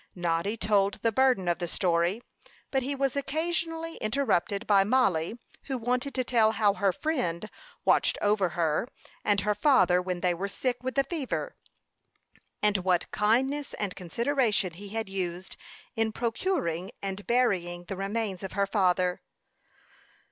Noddy told the burden of the story; but he was occasionally interrupted by Mollie, who wanted to tell how her friend watched over her and her father when they were sick with the fever, and what kindness and consideration he had used in procuring and burying the remains of her father.